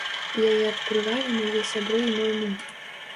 Яе адкрывалі мае сябры і мой муж.